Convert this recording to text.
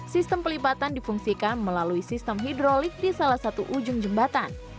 sistem pelipatan difungsikan melalui sistem hidrolik di salah satu ujung jembatan